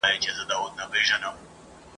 افغاني غازیان له ماتي سره مخامخ سوي دي.